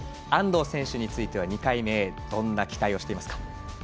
安藤選手については２回目どんな期待をしていますか？